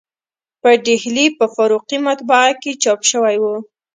په ډهلي په فاروقي مطبعه کې چاپ شوی و.